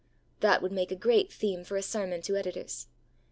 That would make a great theme for a sermon to editors.